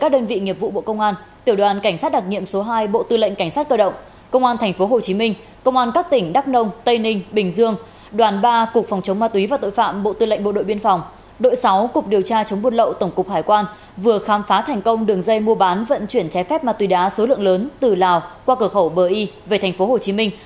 điều tra chống buôn lậu tổng cục hải quan vừa khám phá thành công đường dây mua bán vận chuyển trái phép ma tùy đá số lượng lớn từ lào qua cửa khẩu bờ y về thành phố hồ chí minh